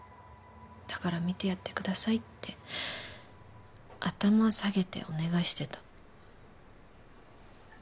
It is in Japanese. だから診てやってください」って頭下げてお願いしてた。